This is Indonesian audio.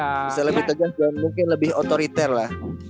bisa lebih tegas dan mungkin lebih otoriter lah